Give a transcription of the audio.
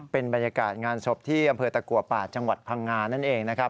เป็นบรรยากาศงานศพที่อำเภอตะกัวป่าจังหวัดพังงานั่นเองนะครับ